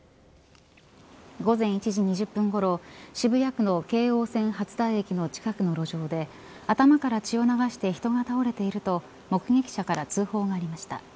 午前１時２０分ごろ渋谷区の京王線初台駅の近くの路上で頭から血を流して人が倒れていると目撃者から通報がありました。